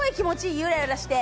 ゆらゆらして。